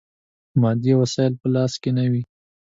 مادي وسایل په لاس کې نه وي.